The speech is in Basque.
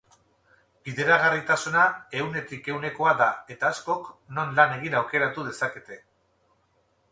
Bideragarritasuna ehunetik ehunekoa da eta askok, non lan egin aukeratu dezakete.